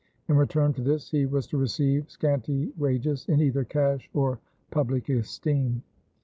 In return for this he was to receive scanty wages in either cash or public esteem.